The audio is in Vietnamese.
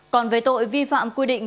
còn về tội vi phạm quy định